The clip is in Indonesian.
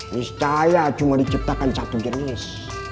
niscaya cuma diciptakan satu jenis